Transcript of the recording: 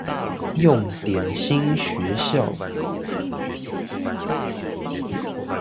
用點心學校